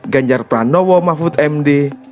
ganjar pranowo mahfud md